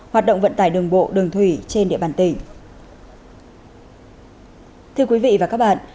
hoạt động vận tải đường bộ đường thủy trên địa bàn tỉnh